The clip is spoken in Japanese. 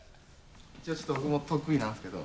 一応ちょっと僕も得意なんですけど。